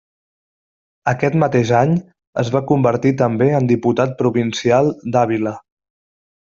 Aquest mateix any, es va convertir també en diputat provincial d'Àvila.